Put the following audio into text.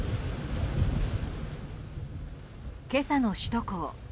今朝の首都高。